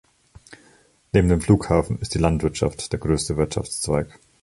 Neben dem Flughafen ist die Landwirtschaft der größte Wirtschaftszweig.